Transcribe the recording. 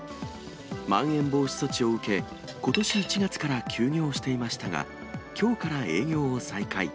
まん延防止措置を受け、ことし１月から休業していましたが、きょうから営業を再開。